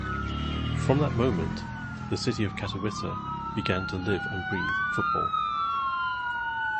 From that moment the city of Katowice began to live and breathe football.